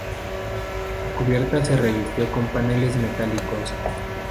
La cubierta se revistió con paneles metálicos.